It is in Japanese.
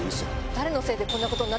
誰のせいでこんなことに？